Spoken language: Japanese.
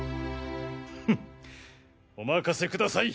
フッお任せください！